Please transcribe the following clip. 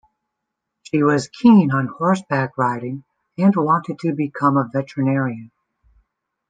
She was keen on horseback riding and wanted to become a veterinarian.